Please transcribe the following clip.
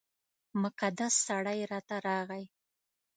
مقدس سړی راته راغی.